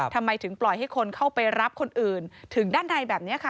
ทำไมถึงปล่อยให้คนเข้าไปรับคนอื่นถึงด้านในแบบนี้ค่ะ